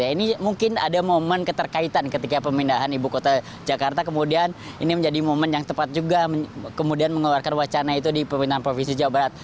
ini mungkin ada momen keterkaitan ketika pemindahan ibu kota jakarta kemudian ini menjadi momen yang tepat juga kemudian mengeluarkan wacana itu di pemerintahan provinsi jawa barat